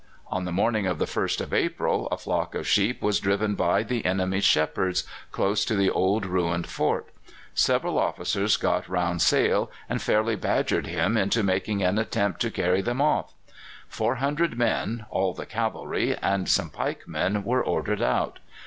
On the morning of the 1st of April a flock of sheep was driven by the enemy's shepherds close to the old ruined fort. Several officers got round Sale and fairly badgered him into making an attempt to carry them off. Four hundred men, all the cavalry, and some pikemen, were ordered out.